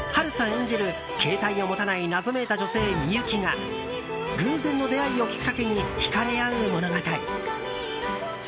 演じる携帯を持たない謎めいた女性みゆきが偶然の出会いをきっかけにひかれ合う物語。